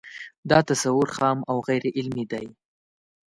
دا تصور خام او غیر علمي دی